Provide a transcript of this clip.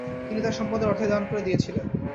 তিনি তার সম্পদের অর্ধেক দান করে দিয়েছিলেন।